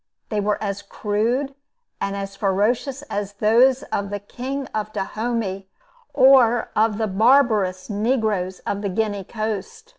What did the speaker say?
They were as crude and as ferocious as those of the King of Dahomey, or of the barbarous negroes of the Guinea coast.